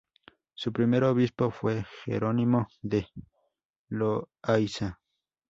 Su primer obispo fue Jerónimo de Loayza.